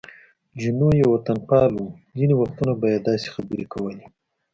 جینو یو وطنپال و، ځینې وختونه به یې داسې خبرې کولې.